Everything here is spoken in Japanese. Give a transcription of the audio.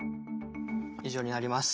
以上になります。